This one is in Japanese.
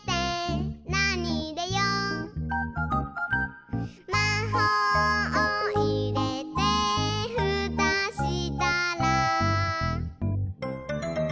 「なにいれよう？」「まほうをいれてふたしたら」